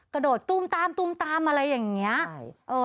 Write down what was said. กระโดดตุ้มตามตุ้มตามอะไรอย่างนี้